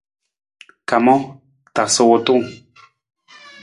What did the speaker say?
Kamang, tasa wutung.